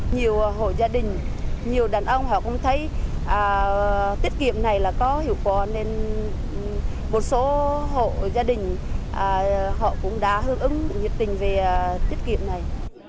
nhiều hộ gia đình nhiều đàn ông họ cũng thấy tiết kiệm này là có hiệu quả nên một số hộ gia đình họ cũng đã hướng ứng nhiệt tình về tiết kiệm này